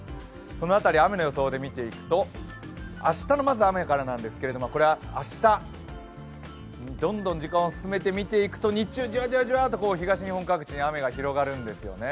その雨の予想で見ていくと、明日の雨からなんですけれども、明日、どんどん時間を進めて見ていくと日中、じわじわっと東日本各地に雨が広がるってすよね。